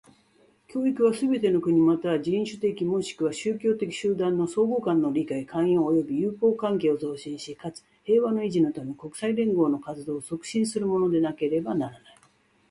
教育は、すべての国又は人種的若しくは宗教的集団の相互間の理解、寛容及び友好関係を増進し、かつ、平和の維持のため、国際連合の活動を促進するものでなければならない。